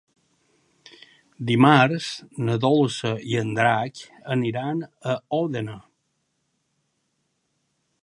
Dimarts na Dolça i en Drac aniran a Òdena.